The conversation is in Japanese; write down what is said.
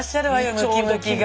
ムキムキが。